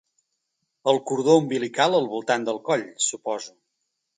El cordó umbilical al voltant del coll, suposo.